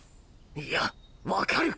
いや分かる！